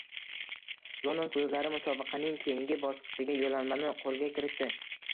London klublari musobaqaning keyingi bosqichiga yo‘llanmani qo‘lga kiritdi